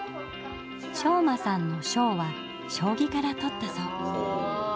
将真さんの「将」は将棋から取ったそう。